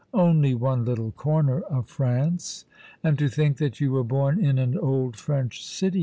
'' Only one little corner of France." " And to think that you were born in an old French city